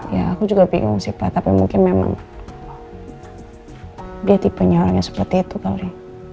ya aku juga bingung sih pak tapi mungkin memang dia tipenya orang yang seperti itu kali